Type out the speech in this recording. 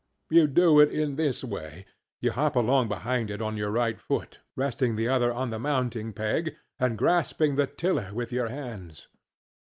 You do it in this way: you hop along behind it on your right foot, resting the other on the mounting peg, and grasping the tiller with your hands.